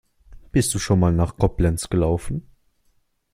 Bist du schon mal nach Koblenz gelaufen?